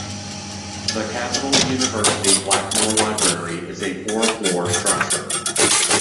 The Capital University Blackmore Library is a four-floor structure.